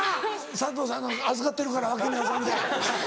佐藤さんの預かってるから脇に挟んで。